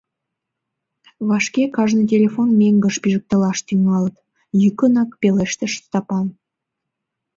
— Вашке кажне телефон меҥгыш пижыктылаш тӱҥалыт, — йӱкынак пелештыш Стапан.